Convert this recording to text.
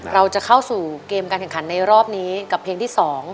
เราจะเข้าสู่เกมการแข่งขันในรอบนี้กับเพลงที่๒